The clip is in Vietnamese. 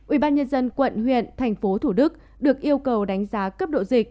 ubnd quận huyện tp thủ đức được yêu cầu đánh giá cấp độ dịch